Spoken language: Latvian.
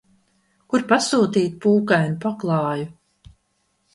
Kur pasūtīt pūkainu paklāju?